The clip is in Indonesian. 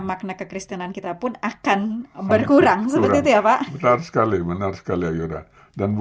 bapak kami di dalam